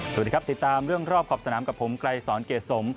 สวัสดีครับติดตามเรื่องรอบขอบสนามกับผมไกรสอนเกรดสม